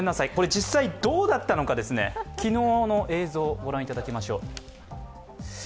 実際どうだったのか、昨日の映像をご覧いただきましょう。